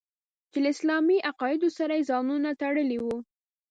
چې له اسلامي عقایدو سره یې ځانونه تړلي وو.